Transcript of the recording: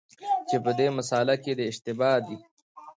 چي په دې مسأله کي دی اشتباه دی،